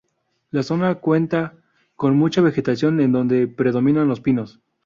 La zona cuenta con mucha vegetación en donde predominan los pinos.